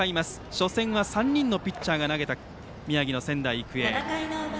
初戦は３人のピッチャーが投げた宮城の仙台育英。